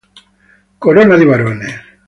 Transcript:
Corona di barone.